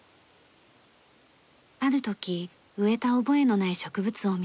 ある時植えた覚えのない植物を見つけました。